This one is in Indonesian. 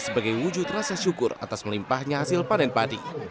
sebagai wujud rasa syukur atas melimpahnya hasil panen padi